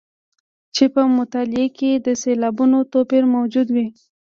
چې په مطلع کې یې د سېلابونو توپیر موجود وي.